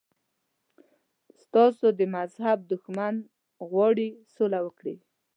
ستاسو د مذهب دښمن غواړي سوله وکړي.